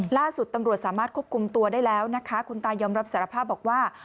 ล่าสุดตำรวจสามารถควบคุมตัวได้แล้วนะคะคุณตายอมรับสารภาพบอกว่า